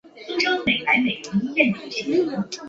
告别式后发引安厝于台北碧潭空军烈士公墓。